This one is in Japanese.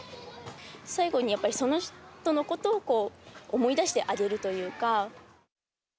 最後にやっぱり、その人のことを思い出してあげるというか。